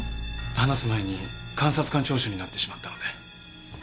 話す前に監察官聴取になってしまったので。